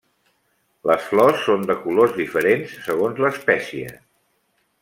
Les flors són de colors diferents segons l'espècie.